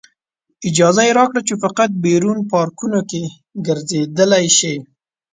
اجازه یې راکړه چې فقط بیرونیو پارکونو کې ګرځېدلی شئ.